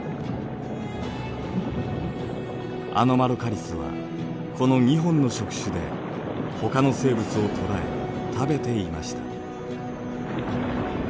アノマロカリスはこの２本の触手でほかの生物を捕らえ食べていました。